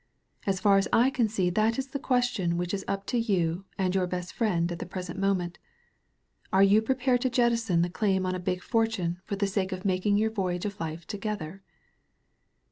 As far as I can see that is the question which is up to you and your best friend at the present moment. Are you prepared to jettison the daim on a big fortune for the sake of making your voyage of life to gether?"